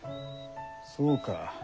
そうか。